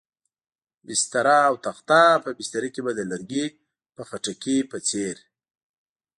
بستره او تخته، په بستره کې به د لرګي په خټکي په څېر.